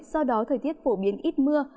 do đó thời tiết phổ biến ít mưa